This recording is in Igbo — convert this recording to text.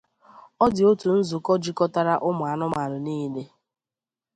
ọ dị otu nzukọ jikọtara ụmụanụmanụ niile